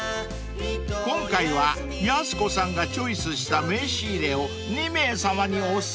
［今回はやす子さんがチョイスした名刺入れを２名さまにお裾分け］